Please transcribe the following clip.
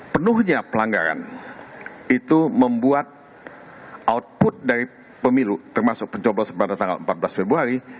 penuhnya pelanggaran itu membuat output dari pemilu termasuk pencoblosan pada tanggal empat belas februari